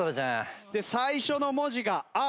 最初の文字が「あ」。